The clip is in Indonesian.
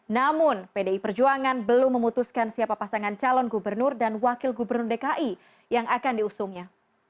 namun pdi perjuangan belum memutuskan siapa pasangan calon gubernur dan wakil gubernur dki yang akan diusungnya